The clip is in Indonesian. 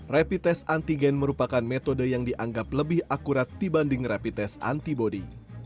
repi tes antigen merupakan metode yang dianggap lebih akurat dibanding repi tes antibody